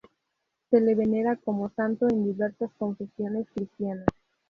Se le venera como santo en diversas confesiones cristianas.